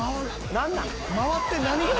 何なん？